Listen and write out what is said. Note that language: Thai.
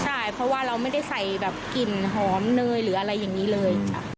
ใช่เพราะว่าเราไม่ได้ใส่แบบกลิ่นหอมเนยหรืออะไรอย่างนี้เลย